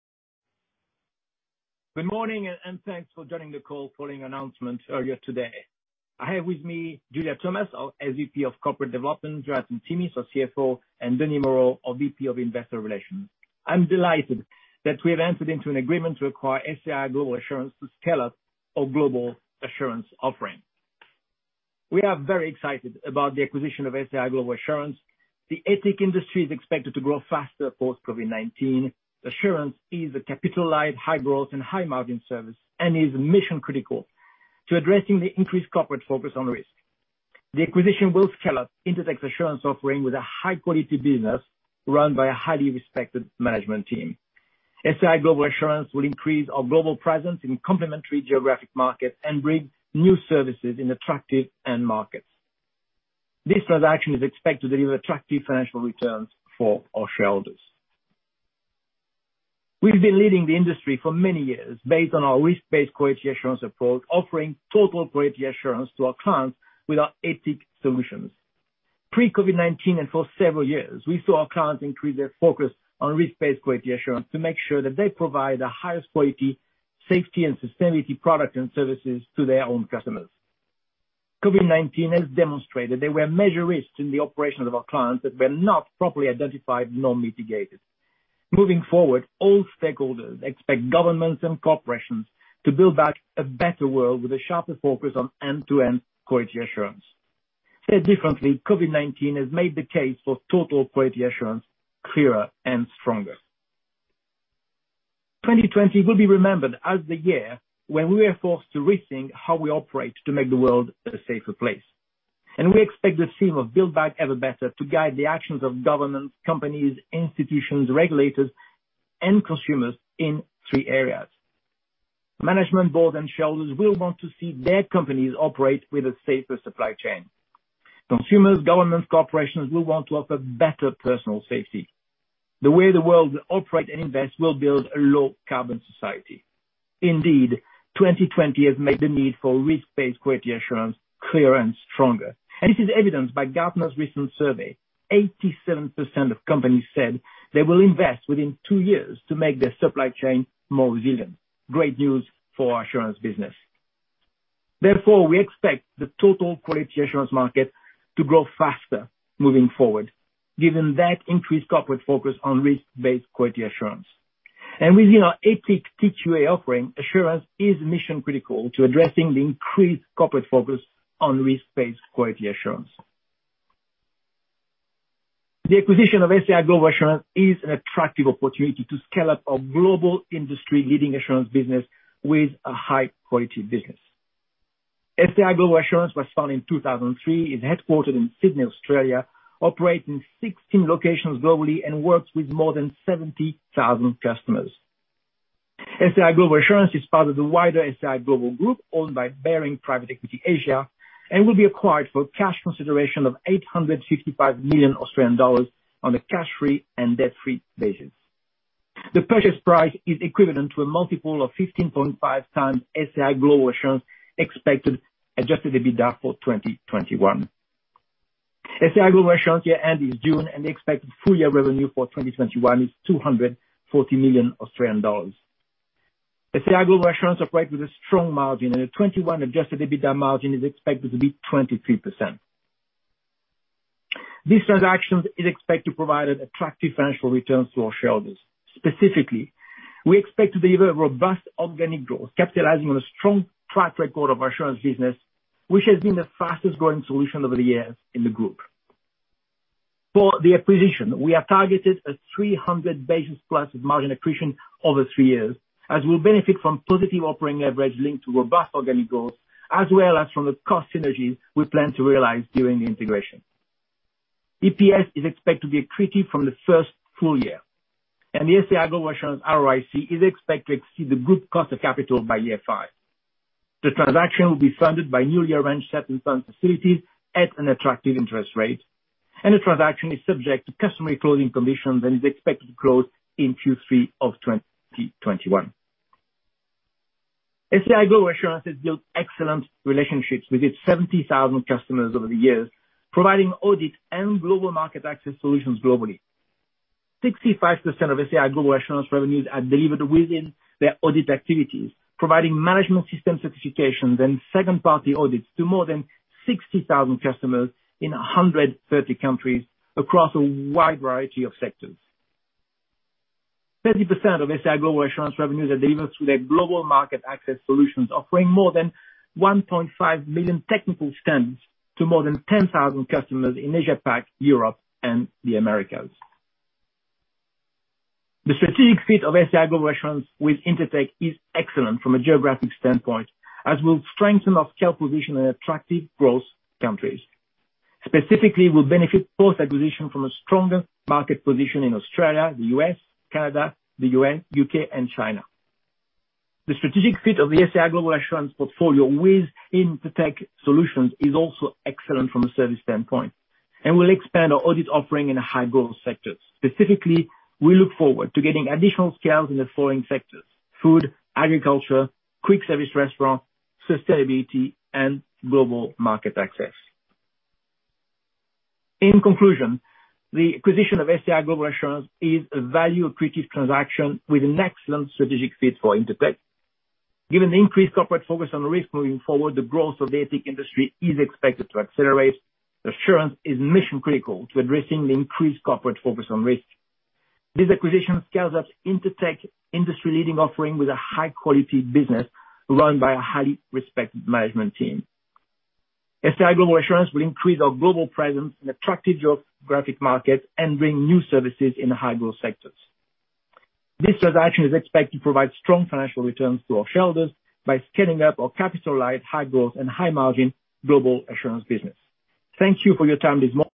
Good morning, and thanks for joining the call following our announcement earlier today. I have with me Julia Thomas, our SVP of Corporate Development, Jonathan Timmis, our CFO, and Denis Moreau, our VP of Investor Relations. I'm delighted that we have entered into an agreement to acquire SAI Global Assurance to scale up our global assurance offering. We are very excited about the acquisition of SAI Global Assurance. The ATIC industry is expected to grow faster post-COVID-19. Assurance is a capital-light high-growth and high-margin service and is mission-critical to addressing the increased corporate focus on risk. The acquisition will scale up Intertek's assurance offering with a high-quality business run by a highly respected management team. SAI Global Assurance will increase our global presence in complementary geographic markets and bring new services in attractive end markets. This transaction is expected to deliver attractive financial returns for our shareholders. We've been leading the industry for many years based on our risk-based quality assurance approach, offering Total Quality Assurance to our clients with our ATIC solutions. Pre-COVID-19, and for several years, we saw our clients increase their focus on risk-based quality assurance to make sure that they provide the highest quality, safety, and sustainability products and services to their own customers. COVID-19 has demonstrated there were major risks in the operations of our clients that were not properly identified nor mitigated. Moving forward, all stakeholders expect governments and corporations to build back a better world with a sharper focus on end-to-end quality assurance. Said differently, COVID-19 has made the case for Total Quality Assurance clearer and stronger. 2020 will be remembered as the year when we were forced to rethink how we operate to make the world a safer place. We expect the theme of build back even better to guide the actions of governments, companies, institutions, regulators, and consumers in three areas. Management boards and shareholders will want to see their companies operate with a safer supply chain. Consumers, governments, corporations will want to offer better personal safety. The way the world will operate and invest will build a low-carbon society. Indeed, 2020 has made the need for risk-based quality assurance clearer and stronger. It is evidenced by Gartner's recent survey. 87% of companies said they will invest within two years to make their supply chain more resilient. Great news for our assurance business. Therefore, we expect the total quality assurance market to grow faster moving forward given that increased corporate focus on risk-based quality assurance. Within our ATIC TQA offering, assurance is mission-critical to addressing the increased corporate focus on risk-based quality assurance. The acquisition of SAI Global Assurance is an attractive opportunity to scale up our global industry-leading assurance business with a high-quality business. SAI Global Assurance was founded in 2003, is headquartered in Sydney, Australia, operates in 16 locations globally, and works with more than 70,000 customers. SAI Global Assurance is part of the wider SAI Global group owned by Baring Private Equity Asia and will be acquired for cash consideration of 855 million Australian dollars on a cash-free and debt-free basis. The purchase price is equivalent to a multiple of 15.5x SAI Global Assurance expected adjusted EBITDA for 2021. SAI Global Assurance year-end is June, and the expected full-year revenue for 2021 is 240 million Australian dollars. SAI Global Assurance operates with a strong margin, and the 2021 adjusted EBITDA margin is expected to be 23%. This transaction is expected to provide attractive financial returns to our shareholders. Specifically, we expect to deliver robust organic growth, capitalizing on a strong track record of assurance business, which has been the fastest-growing solution over the years in the group. For the acquisition, we have targeted a 300 basis points of margin accretion over three years, as we'll benefit from positive operating leverage linked to robust organic growth, as well as from the cost synergies we plan to realize during the integration. EPS is expected to be accretive from the first full year. The SAI Global Assurance ROIC is expected to exceed the group cost of capital by year five. The transaction will be funded by newly arranged debt and bond facilities at an attractive interest rate. The transaction is subject to customary closing conditions and is expected to close in Q3 of 2021. SAI Global Assurance has built excellent relationships with its 70,000 customers over the years, providing audit and global market access solutions globally. 65% of SAI Global Assurance revenues are delivered within their audit activities, providing management system certifications and second-party audits to more than 60,000 customers in 130 countries across a wide variety of sectors. 30% of SAI Global Assurance revenues are delivered through their global market access solutions, offering more than 1.5 million technical standards to more than 10,000 customers in Asia Pac, Europe, and the Americas. The strategic fit of SAI Global Assurance with Intertek is excellent from a geographic standpoint, as we'll strengthen our scale position in attractive growth countries. Specifically, we'll benefit post-acquisition from a stronger market position in Australia, the U.S., Canada, U.K., and China. The strategic fit of the SAI Global Assurance portfolio with Intertek Solutions is also excellent from a service standpoint and will expand our audit offering in high-growth sectors. Specifically, we look forward to getting additional scales in the following sectors: food, agriculture, quick service restaurants, sustainability, and global market access. In conclusion, the acquisition of SAI Global Assurance is a value-accretive transaction with an excellent strategic fit for Intertek. Given the increased corporate focus on risk moving forward, the growth of the ATIC industry is expected to accelerate. Assurance is mission-critical to addressing the increased corporate focus on risk. This acquisition scales up Intertek industry-leading offering with a high-quality business run by a highly respected management team. SAI Global Assurance will increase our global presence in attractive geographic markets and bring new services in high-growth sectors. This transaction is expected to provide strong financial returns to our shareholders by scaling up our capital-light high-growth and high-margin global assurance business. Thank you for your time this morning.